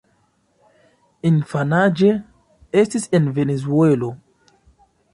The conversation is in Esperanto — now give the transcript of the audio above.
Infanaĝe, estis en Venezuelo.